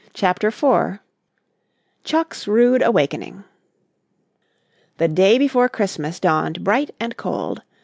CHAPTER IV CHUCK'S RUDE AWAKENING The day before Christmas dawned bright and cold.